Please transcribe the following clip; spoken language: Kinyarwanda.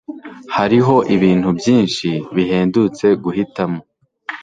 Hariho ibintu byinshi bihendutse guhitamo